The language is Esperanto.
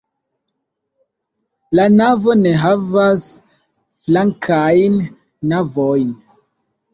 La navo ne havas flankajn navojn.